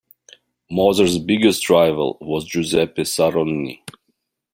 Moser's biggest rival was Giuseppe Saronni.